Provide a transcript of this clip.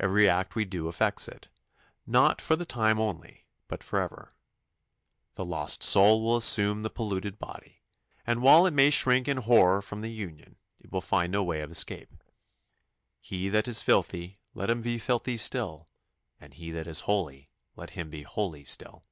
Every act we do affects it, not for the time only, but for ever. The lost soul will assume the polluted body, and while it may shrink in horror from the union, will find no way of escape. "He that is filthy, let him be filthy still: and he that is holy, let him be holy still."